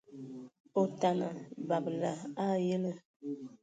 Otana, babǝla a ayǝlə.